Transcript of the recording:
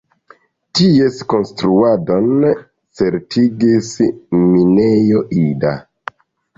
Ties konstruadon certigis Minejo Ida.